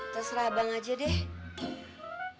terserah abang aja deh